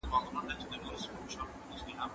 بې ځایه سوي په مهمو سیاسي چارو کي برخه نه اخلي.